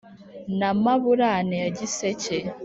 Na Maburane ya Giseke